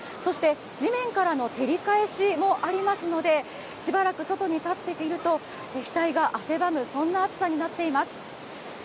地面からの照り返しもあるのでしばらく外に立っていると額が汗ばむ、そんな暑さになっています。